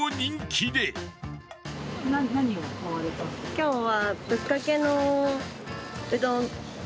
今日は。